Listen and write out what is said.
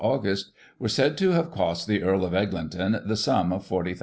August, are said to have cost the Earl of Eglinton the sum of £40,0Cf0.